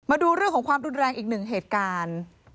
มาดูเรื่องของความรุนแรงอีกหนึ่งเหตุการณ์